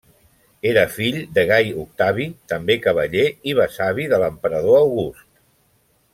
Era fill de Gai Octavi, també cavaller, i besavi de l'emperador August.